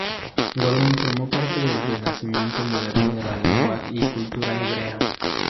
Gordon formó parte del renacimiento moderno de la lengua y cultura hebrea.